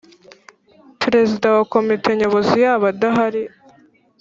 Perezida wa Komite Nyobozi yaba adahari